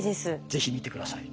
是非見て下さい。